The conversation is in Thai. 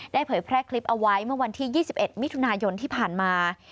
เผยแพร่คลิปเอาไว้เมื่อวันที่๒๑มิถุนายนที่ผ่านมา